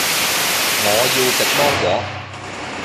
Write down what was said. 我要食芒果